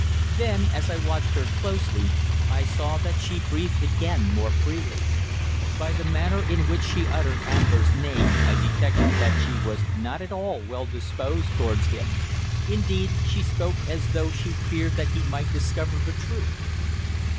Then, as I watched her closely, I saw that she breathed again more freely. By the manner in which she uttered Ambler's name I detected that she was not at all well disposed towards him. Indeed, she spoke as though she feared that he might discover the truth.